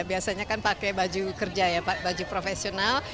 biasanya kan pakai baju kerja ya pak baju profesional